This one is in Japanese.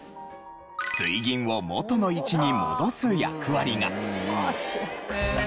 水銀を元の位置に戻す役割が。